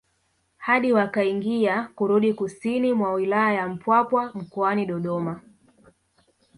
Hadi wakaingia kurudi kusini mwa wilaya ya Mpwapwa mkoani Dodoma